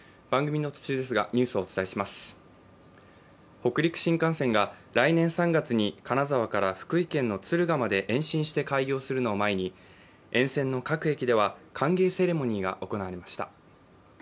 北陸新幹線が来年３月に金沢から福井県の敦賀まで延伸して開業するのを前に沿線の各駅では歓迎セレモニーが行われました。